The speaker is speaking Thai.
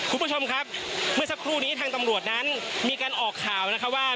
คุณผู้ชมครับเมื่อสักครู่นี้ทางตำรวจนั้นมีการออกข่าวนะคะว่า